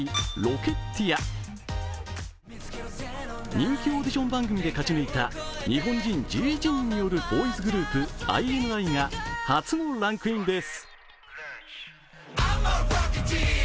人気オーディション番組で勝ち抜いた日本人１１人によるボーイズグループ、ＩＮＩが初のランクインです。